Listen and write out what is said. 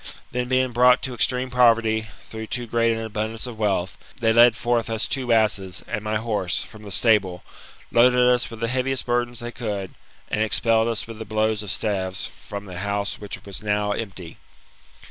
Then, being brought to extreme poverty, through too great an abundance of wealth, they led forth us two asses, and my horse, from the stable, loaded us with the heaviest bur dens they could, and expelled us with the blows of staves from the house which was now empty.